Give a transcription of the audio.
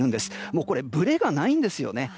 もうブレがないんですよね。